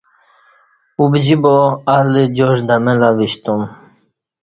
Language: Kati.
ابجی با ال جاݜہ دمہ لہ وشتو م